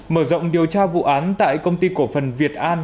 mở rộng điều tra vụ án tại công ty cổ phần việt an